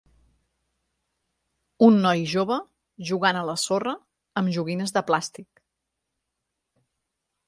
Un noi jove jugant a la sorra amb joguines de plàstic.